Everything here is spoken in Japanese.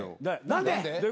何で？